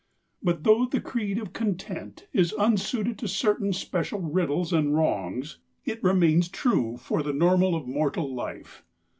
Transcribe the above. But though the creed of content is unsuited to certain special riddles and wrongs, it remains true for the normal of mortal life.